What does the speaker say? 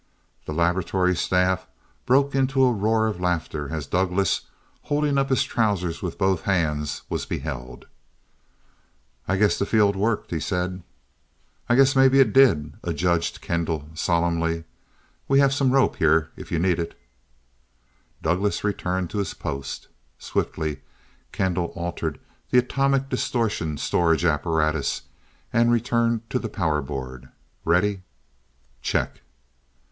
The laboratory staff broke into a roar of laughter, as Douglass, holding up his trousers with both hands was beheld. "I guess the field worked," he said. "I guess maybe it did," adjudged Kendall solemnly. "We have some rope here if you need it " Douglass returned to his post. Swiftly, Kendall altered the atomic distortion storage apparatus, and returned to the power board. "Ready?" "Check."